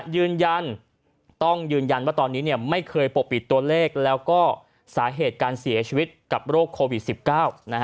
ยืนยันต้องยืนยันว่าตอนนี้ไม่เคยปกปิดตัวเลขแล้วก็สาเหตุการเสียชีวิตกับโรคโควิด๑๙